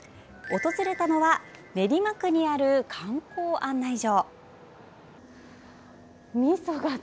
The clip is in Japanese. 訪れたのは練馬区にある観光案内所。